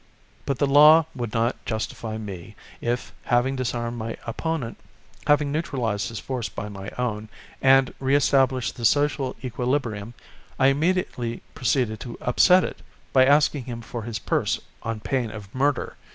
But the law would not justify me, if having disarmed my opponent, having neutralised his force by my own, and re established the social equilibrium, I immediately proceeded to upset it, by asking him for his purse on pain of murder.